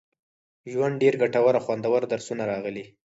ژوند، ډېر ګټور او خوندور درسونه راغلي